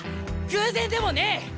偶然でもねえ。